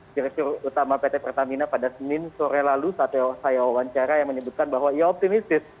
direktur utama pt pertamina pada senin sore lalu saat saya wawancara yang menyebutkan bahwa ia optimistis